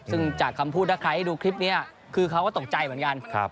ซึ่งจากคำพูดถ้าใครให้ดูคลิปนี้คือเขาก็ตกใจเหมือนกัน